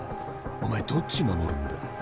お前どっち守るんだ？